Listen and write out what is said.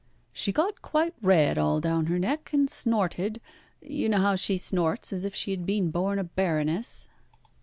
She got quite red all down her neck and snorted you know how she snorts, as if she had been born a Baroness!